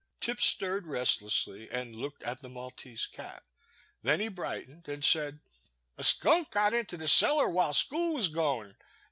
Tip stirred restlessly, and looked at the Mal tese cat. Then he brightened and said, A skunk got into the cellar while school was goin*.